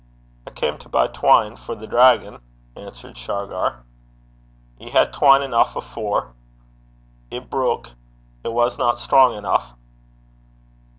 'I cam to coff (buy) twine for the draigon,' answered Shargar. 'Ye had twine eneuch afore!' 'It bruik. It wasna strang eneuch.'